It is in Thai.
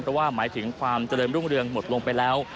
เพราะว่าหมายถึงความเจริญรุ่งเรืองหมดลงไปแล้ว